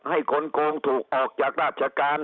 ให้คนโกงถูกออกจากราชการ